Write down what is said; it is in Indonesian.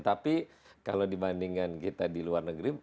tapi kalau dibandingkan kita di luar negeri